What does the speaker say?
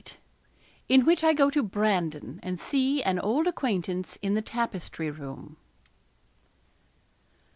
IN WHICH I GO TO BRANDON, AND SEE AN OLD ACQUAINTANCE IN THE TAPESTRY ROOM.